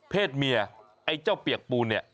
เมียไอ้เจ้าเปียกปูนเนี่ย